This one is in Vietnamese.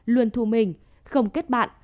luôn thù mình không kết bạn